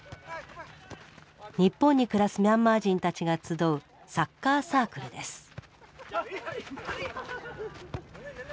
日本に暮らすミャンマー人たちが集うサッカーサークルです。